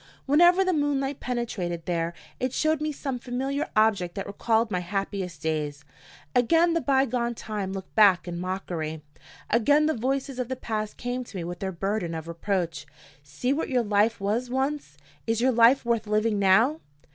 Whenever the moonlight penetrated there, it showed me some familiar object that recalled my happiest days. Again the by gone time looked back in mockery. Again the voices of the past came to me with their burden of reproach: See what your life was once! Is your life worth living now?